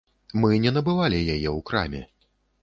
Мы не набывалі яе ў краме.